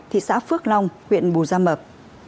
thị xã phước long huyện bù gia mập